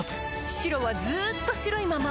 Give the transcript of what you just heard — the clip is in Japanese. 白はずっと白いまま